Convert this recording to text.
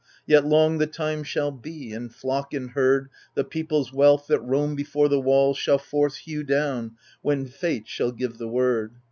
Yet long the time shall be; and flock and herd. The peoples wealthy that roam before the wally Shall force hew down, when Fate shall give the word.